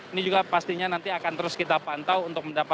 ini juga pastinya nanti akan terus kita pantau untuk mendapatkan